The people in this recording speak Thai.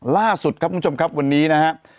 ล่าสุดครับคุณผู้ชมครับวันนี้นะครับ